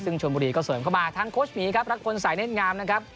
ซึ่งชนบุรีก็เสริมเข้ามาทั้งโค้ชหมีครับรักพลสายเน่นงามนะครับ